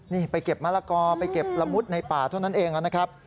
นี่ไปเก็บมะละกอไปเก็บละมุดในป่าเท่านั้นเองนะครับ